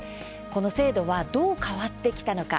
この制度はどう変わってきたのか。